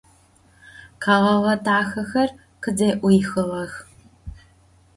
Kheğeğe daxexer khıze'uixığex.